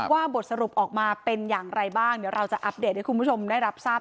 ว่าบทสรุปออกมาเป็นอย่างไรบ้างเดี๋ยวเราจะอัปเดตให้คุณผู้ชมได้รับทราบ